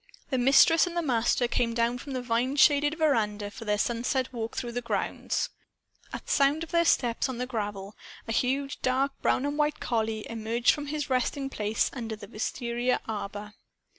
The Mistress and the Master came down from the vine shaded veranda for their sunset walk through the grounds. At sound of their steps on the gravel, a huge dark brown and white collie emerged from his resting place under the wistaria arbor.